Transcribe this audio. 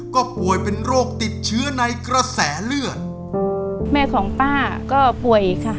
ก็ป่วยเป็นโรคติดเชื้อในกระแสเลือดแม่ของป้าก็ป่วยค่ะ